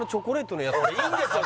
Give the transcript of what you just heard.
これいいんですよ